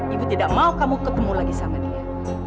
ibu tidak mau kamu ketemu lagi sama dia